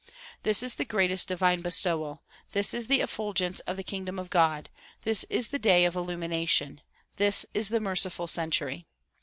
This is the greatest divine bestowal ; this is the effulgence of the kingdom of God ; this is the day of illumination ; this is the merciful century.